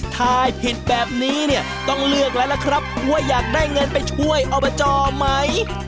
ถ่ายผิดแบบนี้เนี่ยต้องเลือกแล้วล่ะครับว่าอยากได้เงินไปช่วยอบจไหม